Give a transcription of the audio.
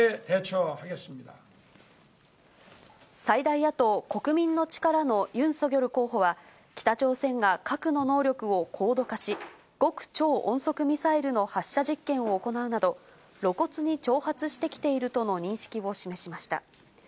最大野党・国民の力のユン・ソギョル候補は、北朝鮮が、核の能力を高度化し、極超音速ミサイルの発射実験を行うなど、露骨に挑発してきているとの認識を示しました。